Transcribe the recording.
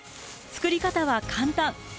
作り方は簡単。